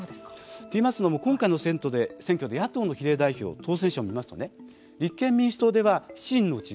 といいますのも今回の選挙で野党の比例代表当選者を見ますと立憲民主党では５人。